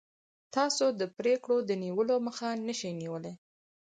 تاسو د پرېکړو د نیولو مخه نشئ نیولی.